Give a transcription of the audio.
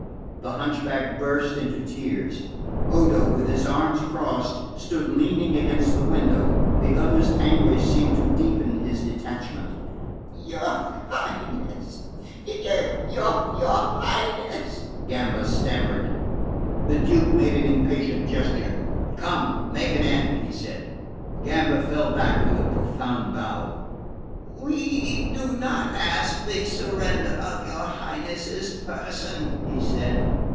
The hunchback burst into tears. Odo, with his arms crossed, stood leaning against the window. The other's anguish seemed to deepen his detachment. "Your Highness your Highness " Gamba stammered. The Duke made an impatient gesture. "Come, make an end," he said. Gamba fell back with a profound bow. "We do not ask the surrender of your Highness's person," he said.